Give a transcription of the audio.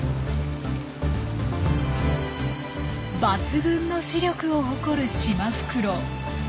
抜群の視力を誇るシマフクロウ。